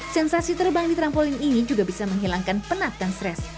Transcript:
sensasi terbang di trampolin ini juga bisa menghilangkan penat dan stres